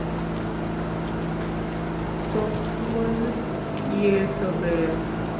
Tho kuon yeso ber.